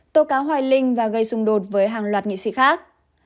tố cáo hoài linh và gây xung đột với hàng loạt nghị sĩ khác